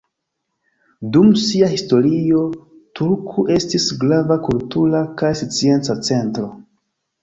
Dum sia historio, Turku estis grava kultura kaj scienca centro.